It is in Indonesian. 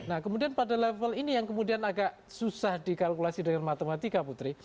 nah kemudian pada level ini yang kemudian agak susah dikalkulasi dengan matematika putri